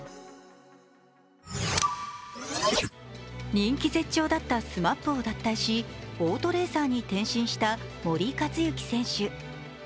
人気絶頂だったＳＭＡＰを脱退し、オートレーサーに転身した森且行選手。